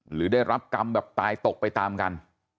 หรือได้รับกรรมแบบตายตกไปตามกัน